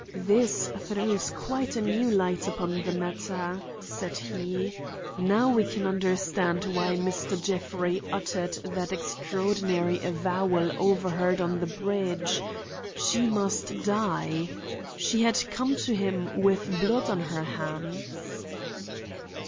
"This throws quite a new light upon the matter," said he. "Now we can understand why Mr. Jeffrey uttered that extraordinary avowal overheard on the bridge: 'She must die!' She had come to him with blood on her hands."